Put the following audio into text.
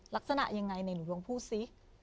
ลักษณะยังไงเนี่ยหนูลองพูดสิ